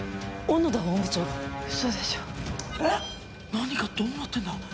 何がどうなってんだ。